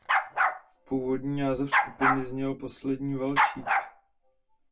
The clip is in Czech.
Původní název skupiny zněl "Poslední valčík".